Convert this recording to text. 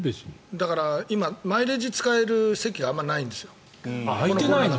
だから今マイレージ使える席がないんですよ。